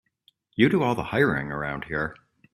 You do all the hiring around here.